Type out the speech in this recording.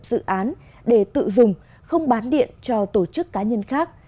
doanh nghiệp dự án để tự dùng không bán điện cho tổ chức cá nhân khác